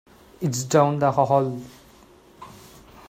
It's down the hall.